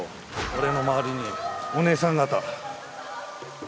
俺の周りにお姉さん方。